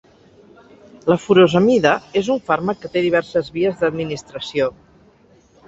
La furosemida és un fàrmac que té diverses vies d'administració.